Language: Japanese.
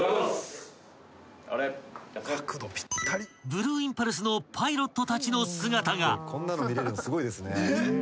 ［ブルーインパルスのパイロットたちの姿が］